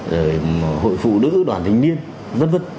rồi hội phụ nữ đoàn thành niên v v